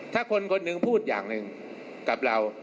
ถ้าคนคนหนึ่งพูดอย่างหนึ่งกับเรา